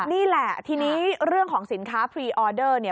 นี่แหละทีนี้เรื่องของสินค้าพรีออเดอร์เนี่ย